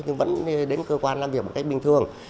nhưng vẫn đến cơ quan làm việc một cách bình thường